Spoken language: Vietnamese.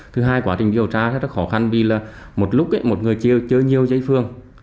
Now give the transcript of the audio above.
thứ hai quá trình điều tra rất là khó khăn vì một lúc một người chơi nhiều chơi phường